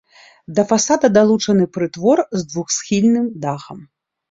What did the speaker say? Да фасада далучаны прытвор з двухсхільным дахам.